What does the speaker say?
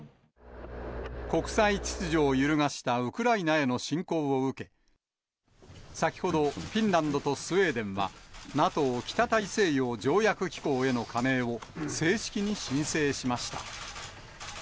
国際秩序を揺るがしたウクライナへの侵攻を受け、先ほど、フィンランドとスウェーデンは、ＮＡＴＯ・北大西洋条約機構への加盟を正式に申請しました。